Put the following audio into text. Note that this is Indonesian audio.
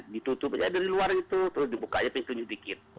ditutup aja dari luar gitu terus dibuka aja pencunyi sedikit